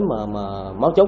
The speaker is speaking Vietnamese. mà máu chốc